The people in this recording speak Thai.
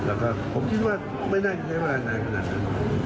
แล้วก็ผมคิดว่าไม่น่าใช้เวลานานขนาดนั้น